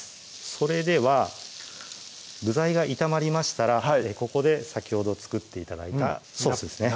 それでは具材が炒まりましたらここで先ほど作って頂いたソースですね